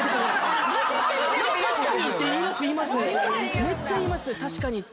めっちゃ言います「確かに」って。